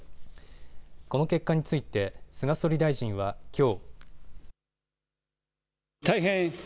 この結果について菅総理大臣はきょう。